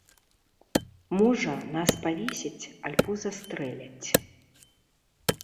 Можа, нас павесяць альбо застрэляць.